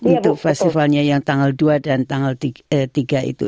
untuk festivalnya yang tanggal dua dan tanggal tiga itu